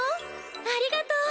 ありがとう！